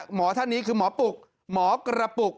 หมอท่านนี้คือหมอปุกหมอกระปุก